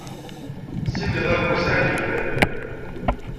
Sin n yiḍaṛṛen i sɛan yemdanen.